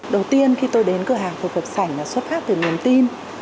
đầu tiên khi tôi đến cửa hàng thực phẩm sạch là xuất phát từ nguyên tin